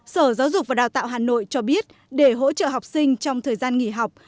sở giáo dục và đào tạo hà nội cho biết để hỗ trợ học sinh trong thời gian nghỉ học